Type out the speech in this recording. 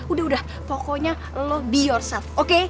udah udah pokoknya lo be yourself oke